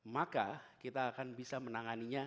maka kita akan bisa menanganinya